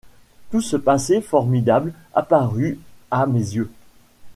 Tout ce passé formidable apparut à mes yeux.